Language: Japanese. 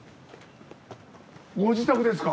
ご自宅ですか？